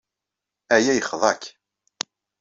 Aya yexḍa-k.